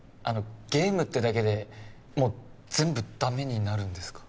ゲームってだけでもう全部ダメになるんですか？